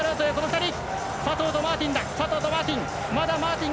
佐藤とマーティン。